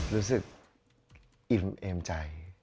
รู้สึกอิ่มเอกจ้าย